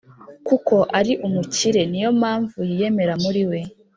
Kuko ari umukire niyompamvu yiyemera muriwe